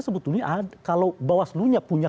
sebetulnya kalau bawaslu punya